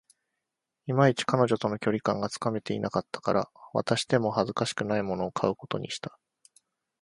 いまいち、彼女との距離感がつかめていなかったから、渡しても恥ずかしくないものを買うことにした